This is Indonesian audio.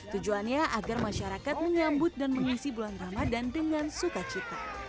tujuannya agar masyarakat menyambut dan mengisi bulan ramadan dengan sukacita